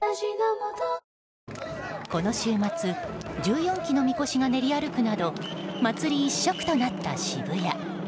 この週末１４基のみこしが練り歩くなど祭り一色となった渋谷。